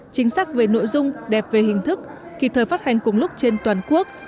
chính xác về nội dung đẹp về hình thức kịp thời phát hành cùng lúc trên toàn quốc